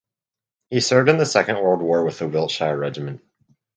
He served in the Second World War with the Wiltshire Regiment.